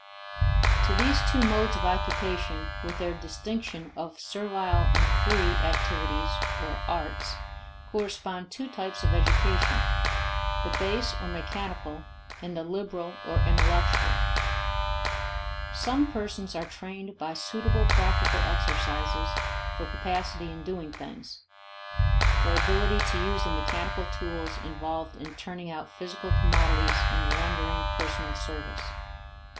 To these two modes of occupation, with their distinction of servile and free activities (or "arts") correspond two types of education: the base or mechanical and the liberal or intellectual. Some persons are trained by suitable practical exercises for capacity in doing things, for ability to use the mechanical tools involved in turning out physical commodities and rendering personal service.